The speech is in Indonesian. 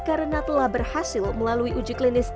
karena telah berhasil melalui uji klinis